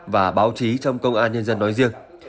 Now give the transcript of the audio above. và báo chí trong công an nhân dân nói riêng